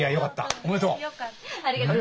おめでとう！